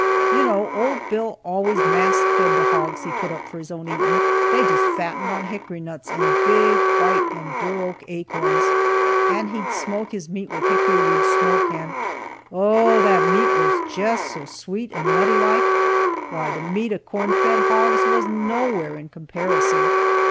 You know, old Bill always mast fed the hogs he put up for his own eatin', they jest fattened on hickory nuts and big white and bur oak acorns, and he'd smoke his meat with hickory wood smoke, and oh, that meat was jest so sweet and nutty like! why, the meat of corn fed hogs was nowhere in comparison."